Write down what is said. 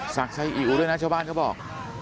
ศักดิ์ชัยอิ๋วด้วยนะชาวบ้านเขาบอก